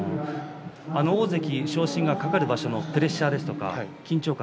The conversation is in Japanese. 大関昇進が懸かる場所のプレッシャーとか緊張感